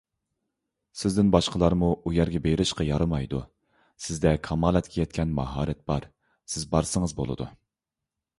سىزدىن باشقىلارمۇ ئۇ يەرگە بېرىشقا يارىمايدۇ، سىزدە كامالەتكە يەتكەن ماھارەت بار، سىز بارسىڭىز بولىدۇ.